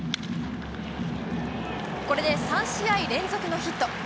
これで３試合連続のヒット。